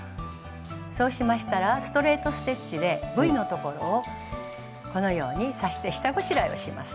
そうしましたらストレート・ステッチでＶのところをこのように刺して下ごしらえをします。